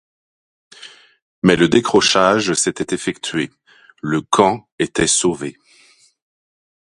Mais le décrochage s'était effectué, le camp était sauvé.